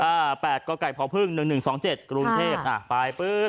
อ่า๘กรกไก่พอพึ่ง๑๑๒๗กรุงเทพอ่าไปปึ๊บ